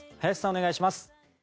お願いします。